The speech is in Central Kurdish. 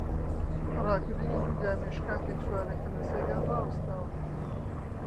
ڕاکردنی دوو گامێش کاتێک سوارەکە لەسەریان ڕاوەستاوە